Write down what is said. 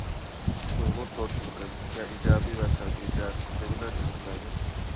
ئۇيغۇر تورچىلىقى بىزگە ئىجابىي ۋە سەلبىي جەھەتتىن نېمىلەرنى ئېلىپ كەلدى؟